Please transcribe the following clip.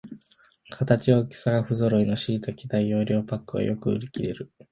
形、大きさがふぞろいのしいたけ大容量パックはよく売りきれる